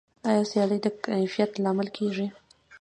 آیا سیالي د کیفیت لامل کیږي؟